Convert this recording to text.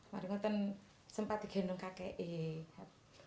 waktu itu sempat digendong kakeknya